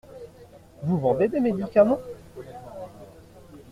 Vous vendez des médicaments ?